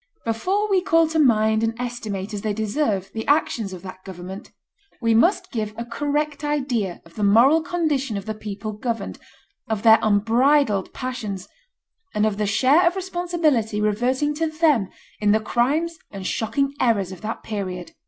Before we call to mind and estimate as they deserve the actions of that government, we must give a correct idea of the moral condition of the people governed, of their unbridled passions, and of the share of responsibility reverting to them in the crimes and shocking errors of that period.